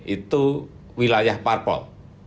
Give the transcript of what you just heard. itu wilayah parpol